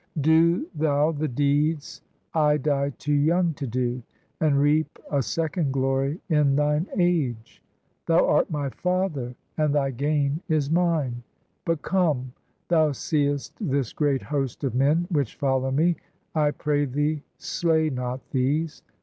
Do thou the deeds I die too yoimg to do, And reap a second glory in thine age: Thou art my father, and thy gain is mine. But come: thou seest this great host of men Which follow me; I pray thee, slay not these!